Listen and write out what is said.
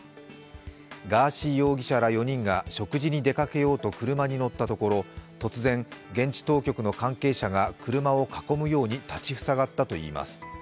ガーシー容疑者ら４人が食事に出かけようと車に乗ったところ突然、現地当局の関係者が車を囲むように立ち塞がったといいます。